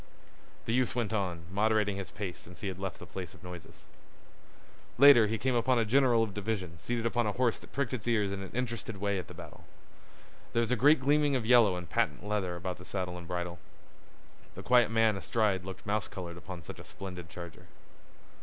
The youth went on, moderating his pace since he had left the place of noises. Later he came upon a general of division seated upon a horse that pricked its ears in an interested way at the battle. There was a great gleaming of yellow and patent leather about the saddle and bridle. The quiet man astride looked mouse colored upon such a splendid charger.